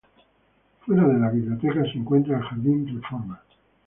Fuera de la biblioteca se encuentra el Jardín Reforma.